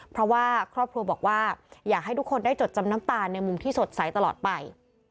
เพราะว่าครอบครัวบอกว่าอยากให้ทุกคนได้จดจำน้ำตาลในมุมที่สดใสตลอดไป